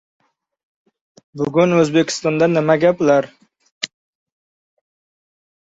Ehtiyotkor odamlar kamdan-kam xato qiladilar. Konfutsiy